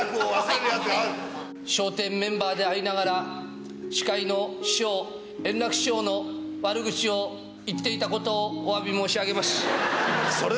「笑点」メンバーでありながら司会の圓楽師匠の悪口を言っていたことをお詫びいたします。